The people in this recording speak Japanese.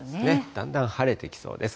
だんだん晴れてきそうです。